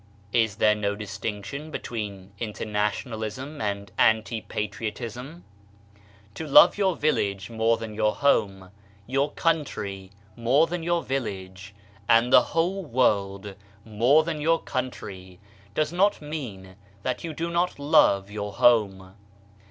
Is there no distinction between internationalism and anti patriotism ? To love your village more than your home, your country more than your village, and the whole world more than your country, does not mean that you do not love your home.